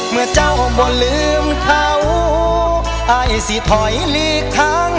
เมื่อเจ้าโบรลืมเทาอายสีถอยลิขทาง